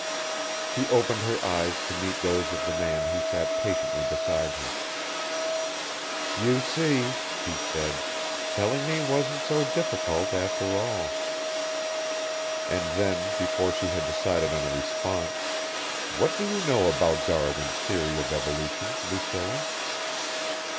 She opened he eyes to meet those of the man who sat patiently beside her. "You see," he said, "telling me wasn't so difficult, after all." And then, before she had decided on a response, "What do you know about Darwin's theory of evolution, Lucilla?"